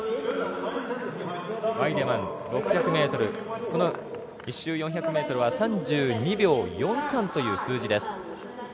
ワイデマン、６００ｍこの１周、４００ｍは３２秒４３という数字です。